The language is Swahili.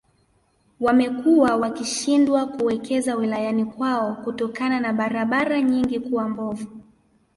Wamekuwa wakishindwa kuwekeza wilayani kwao kutokana na barabara nyingi kuwa mbovu